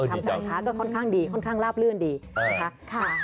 ทำการค้าก็ค่อนข้างดีค่อนข้างลาบลื่นดีนะคะ